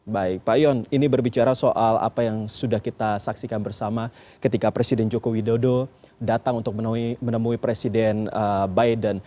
baik pak yon ini berbicara soal apa yang sudah kita saksikan bersama ketika presiden joko widodo datang untuk menemui presiden biden